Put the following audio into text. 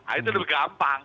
nah itu lebih gampang